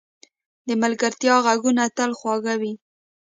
د ملګرتیا ږغونه تل خواږه وي.